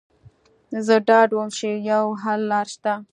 زه ډاډه وم چې یوه حل لاره شته